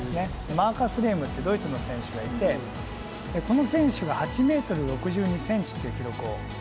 マルクス・レームってドイツの選手がいてこの選手が８ｍ６２ｃｍっていう記録を持ってるんですね。